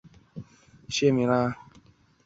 死后其子摩醯逻矩罗即位。